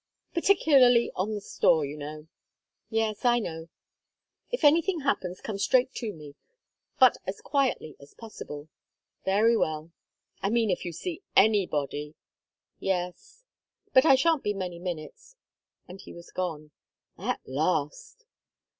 "Particularly on the store, you know." "Yes, I know." "If anything happens come straight to me, but as quietly as possible." "Very well." "I mean if you see anybody." "Yes." "But I shan't be many minutes." And he was gone. At last!